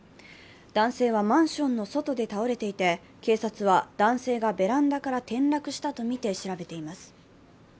男性はマンションの外で倒れていて、警察は男性がベランダから転落したとみて調べています。